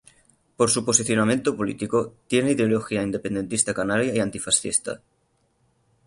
Por su posicionamiento político, tiene ideología independentista canaria y antifascista.